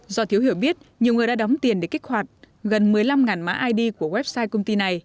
do thiếu hiểu biết nhiều người đã đóng tiền để kích hoạt gần một mươi năm mã id của website công ty này